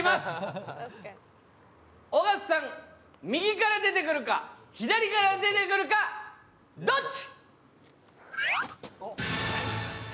尾形さん、右から出てくるか左から出てくるか、どっち。